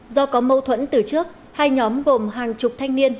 do có mâu thuẫn từ trước hai nhóm gồm hàng chục thanh niên